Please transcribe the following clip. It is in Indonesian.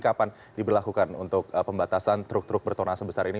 kapan diberlakukan untuk pembatasan truk truk bertona sebesar ini